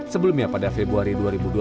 sebelumnya pada februari dua ribu dua puluh